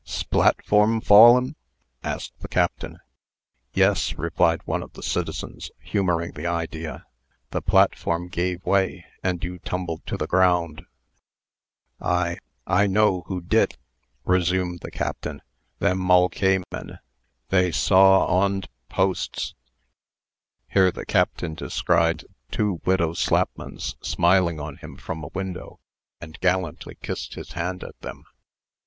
"'S pla at form fall'n'?" asked the Captain. "Yes," replied one of the citizens, humoring the idea; "the platform gave way, and you tumbled to the ground." "I I'no' who di't," resumed the Captain. "Them Mulca'men. They saw awed posts." Here the Captain descried two widow Slapmans smiling on him from a window, and gallantly kissed his hand at them.